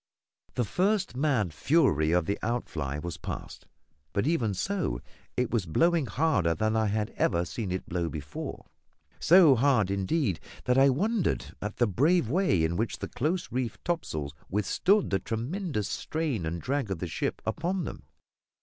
The first mad fury of the outfly was past; but, even so, it was blowing harder than I had ever seen it blow before; so hard, indeed, that I wondered at the brave way in which the close reefed topsails withstood the tremendous strain and drag of the ship upon them.